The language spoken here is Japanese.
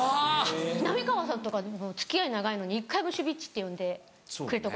浪川さんとか付き合い長いのに１回もシュビッチって呼んでくれたことない。